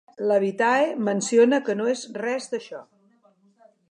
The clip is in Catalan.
La "vitae" menciona que no és res d'això.